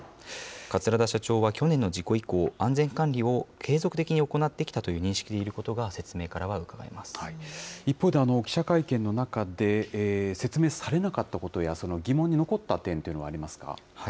桂田社長は去年の事故以降、安全管理を継続的に行ってきたという認識が、一方で、記者会見の中で、説明されなかったことや、疑問に残った点というのはありますか。